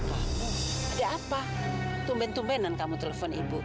ada apa tumben tumbenan kamu telepon ibu